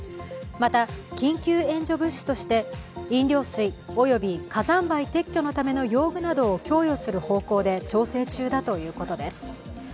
また、緊急援助物資として飲料水および火山灰撤去のための用具などを供与する方向で調整中だということです。